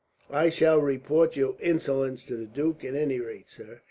"I shall report your insolence to the duke, at any rate, sir.